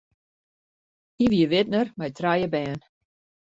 Hy wie widner mei trije bern.